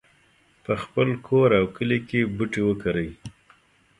په خپل کور او کلي کې بوټي وکرئ